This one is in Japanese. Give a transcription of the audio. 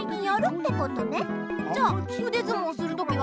じゃあうでずもうするときは？